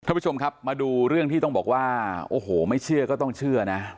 ท่านผู้ชมครับมาดูเรื่องที่ต้องบอกว่าโอ้โหไม่เชื่อก็ต้องเชื่อนะ